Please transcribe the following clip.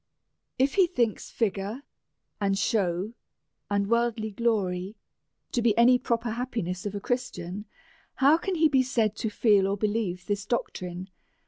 If he thinks figure and show, and worldly glory, to be any proper happiness of a Christian, how can he be said to feel or believe this doctrine.